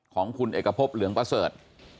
ของคุณเอกพบเหลืองประเสริฐ